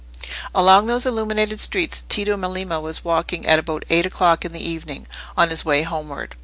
Along those illuminated streets Tito Melema was walking at about eight o'clock in the evening, on his way homeward.